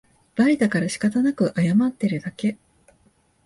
バレたからしかたなく謝ってるだけ